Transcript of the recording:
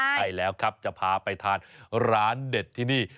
ใช่แล้วครับจะพาไปทานร้านเด็ดที่นี่